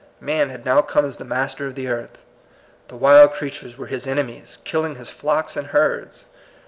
Man had now come as the master of the earth. The wild creatures were his ene mies, killing his flocks and herds.